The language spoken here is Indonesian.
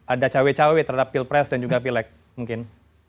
ada cawe cawe terhadap pil pres dan juga pil ek mungkin